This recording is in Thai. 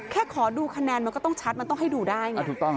แค่ขอดูคะแนนมันก็ต้องชัดมันต้องให้ดูได้